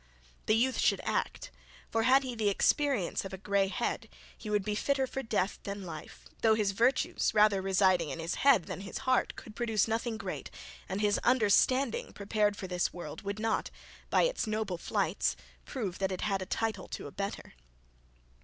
The youth should ACT; for had he the experience of a grey head, he would be fitter for death than life, though his virtues, rather residing in his head than his heart could produce nothing great, and his understanding prepared for this world, would not, by its noble flights, prove that it had a title to a better.